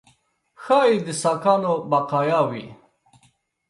ښایي د ساکانو بقایاوي.